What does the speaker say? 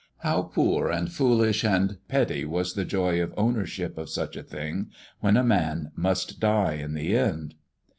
How poor and foolish and petty was the joy of ownership of such a thing when a man must die in the end!